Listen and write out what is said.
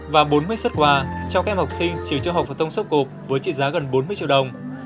và bốn mươi xuất quà cho các em học sinh trường trung học phổ thông sốc cộp với trị giá gần bốn mươi triệu đồng